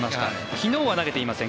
昨日は投げていません。